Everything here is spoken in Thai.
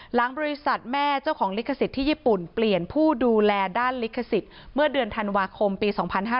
หลังบริษัทแม่เจ้าของลิขสิทธิ์ที่ญี่ปุ่นเปลี่ยนผู้ดูแลด้านลิขสิทธิ์เมื่อเดือนธันวาคมปี๒๕๕๙